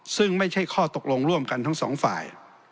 ซึ่งไม่ใช่ข้อตกลงร่วมกันทั้งสองฝ่าย